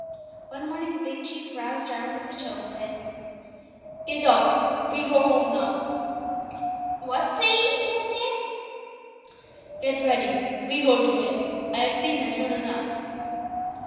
One morning Big Chief roused Jarwin with his toe, and said "Get up. We go home now." "What say 'ee, old man?" "Get ready. We go to day. I have seen and heard enough."